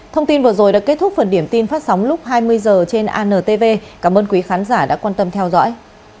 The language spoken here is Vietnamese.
thông tin vừa rồi đã kết thúc phần điểm tin phát sóng lúc hai mươi h trên antv cảm ơn quý khán giả đã quan tâm theo dõi